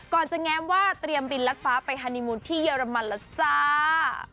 ก่อนจะแง้มว่าเตรียมบินรัดฟ้าไปฮานีมูลที่เยอรมันแล้วจ้า